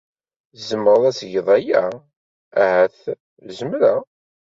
Tzemreḍ ad tgeḍ aya? Ahat zemreɣ.